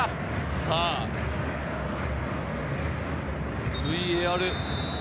さぁＶＡＲ。